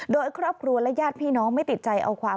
โดยครอบครัวและญาติพี่น้องไม่ติดใจเอาความ